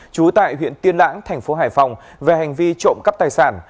trú tại huyện tiên lãng thành phố hải phòng về hành vi trộm cắp tài sản